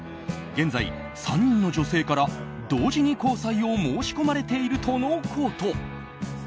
現在、３人の女性から同時に交際を申し込まれているとのこと。